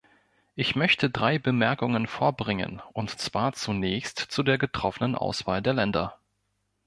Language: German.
Ich möchte drei Bemerkungen vorbringen, und zwar zunächst zu der getroffenen Auswahl der Länder.